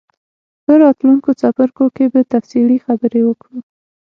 په راتلونکو څپرکو کې به تفصیلي خبرې وکړو.